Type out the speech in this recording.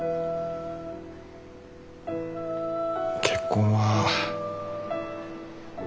結婚は。